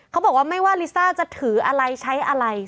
เขาบอกว่าไม่ว่าลิซ่าจะถืออะไรใช้อะไร